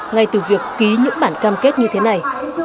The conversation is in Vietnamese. ngay từ việc ký những bản cam kết như thế này